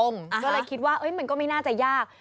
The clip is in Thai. ก็เลยคิดว่ามันก็ไม่น่าจะยาก